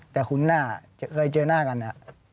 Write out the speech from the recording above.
แต่คุ้นหน้าเคยเจอหน้ากันครับ